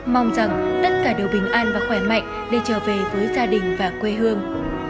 mong rằng tất cả đều bình an và khỏe mạnh để trở về với gia đình và quê hương